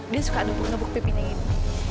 dia suka nupuk nupuk pipinya gitu